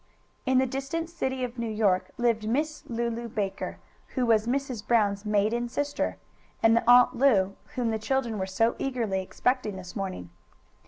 In the distant city of New York lived Miss Lulu Baker, who was Mrs. Brown's maiden sister, and the Aunt Lu whom the children were so eagerly expecting this morning.